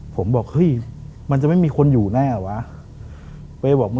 ผมบอกเฮ้ยมันจะไม่มีคนอยู่แน่วะ